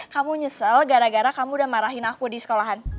kamu nyesel gara gara kamu udah marahin aku di sekolahan